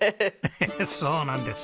そうなんです。